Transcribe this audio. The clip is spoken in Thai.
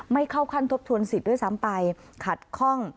ไม่เข้าขั้นทบทวนสิทธิ์ด้วยซ้ำไปขัดข้อง